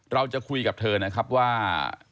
เราจะคุยกับเธอนะครับว่า